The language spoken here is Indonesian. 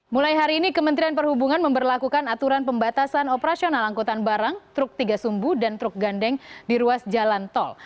mulai hari ini kementerian perhubungan memperlakukan aturan pembatasan operasional angkutan barang truk tiga sumbu dan truk gandeng di ruas jalan tol